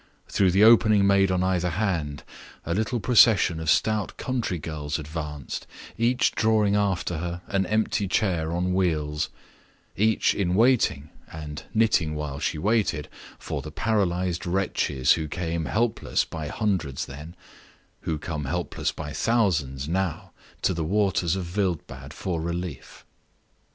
Through the opening made on either hand, a little procession of stout country girls advanced, each drawing after her an empty chair on wheels; each in waiting (and knitting while she waited) for the paralyzed wretches who came helpless by hundreds then who come helpless by thousands now to the waters of Wildbad for relief.